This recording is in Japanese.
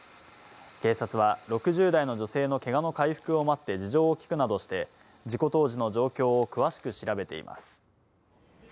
警察は、６０代の女性のけがの回復を待って事情を聴くなどして、事故当時の状況を詳しく調べています。